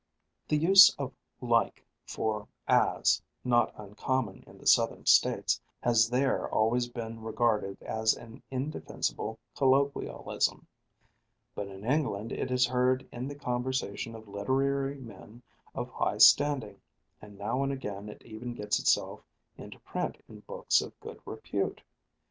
The use of like for as, not uncommon in the Southern States, has there always been regarded as an indefensible colloquialism; but in England it is heard in the conversation of literary men of high standing, and now and again it even gets itself into print in books of good repute.